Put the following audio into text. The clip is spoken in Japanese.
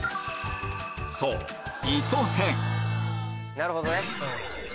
なるほどね。